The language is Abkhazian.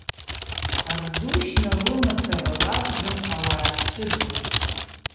Ардушьна лымацара лакәӡам ауаа зцәыӡыз.